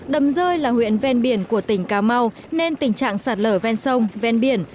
đầm rơi là huyện ven biển của tỉnh cà mau nên tình trạng sạt lở ven sông ven biển